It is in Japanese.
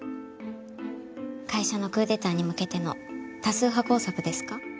会社のクーデターに向けての多数派工作ですか？